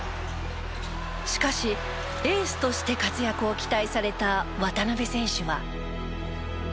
しかしエースとして活躍を期待された渡邊選手は。